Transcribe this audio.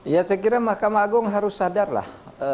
ya saya kira mahkamah agung harus sadarlah